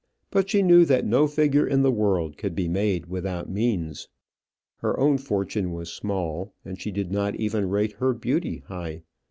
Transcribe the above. But she knew that no figure in the world could be made without means. Her own fortune was small, and she did not even rate her beauty high.